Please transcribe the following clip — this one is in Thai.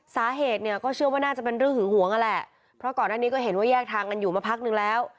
สาเหตุเนี่ยก็เชื่อว่าน่าจะเป็นเรื่องหึงหวงนั่นแหละเพราะก่อนหน้านี้ก็เห็นว่าแยกทางกันอยู่มาพักนึงแล้ว